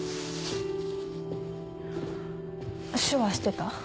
手話してた？